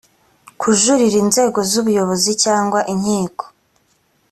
kujuririra inzego z’ ubuyobozi cyangwa inkiko